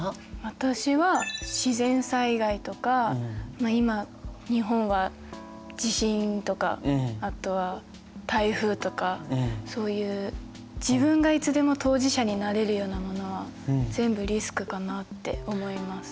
私は自然災害とか今日本は地震とかあとは台風とかそういう自分がいつでも当事者になれるようなものは全部リスクかなって思います。